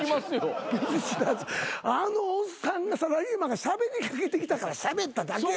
見ず知らずあのサラリーマンがしゃべり掛けてきたからしゃべっただけや。